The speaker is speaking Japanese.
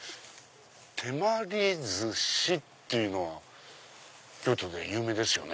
手まりずしっていうのは京都で有名ですよね。